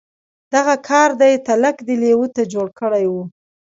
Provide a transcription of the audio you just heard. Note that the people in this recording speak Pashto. دغه کار دی تلک دې لېوه ته جوړ کړی و.